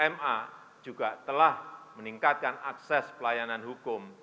ma juga telah meningkatkan akses pelayanan hukum